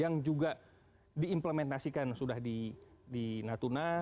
yang juga diimplementasikan sudah di natuna